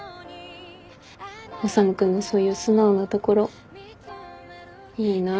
修君のそういう素直なところいいなって思ったの。